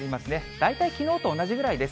大体きのうと同じぐらいです。